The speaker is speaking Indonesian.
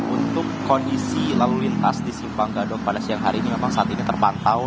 untuk kondisi lalu lintas di simpang gadok pada siang hari ini memang saat ini terpantau